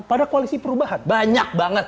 pada koalisi perubahan